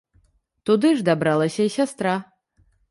Туды ж дабралася і сястра.